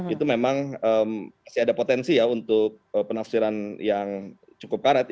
itu memang masih ada potensi ya untuk penafsiran yang cukup karet